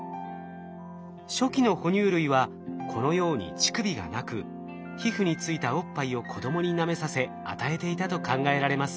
初期の哺乳類はこのように乳首がなく皮膚についたおっぱいを子供になめさせ与えていたと考えられます。